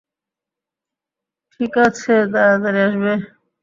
ঠিকাছে, তারাতাড়ি আসবে।